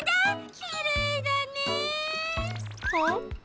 きれいだね。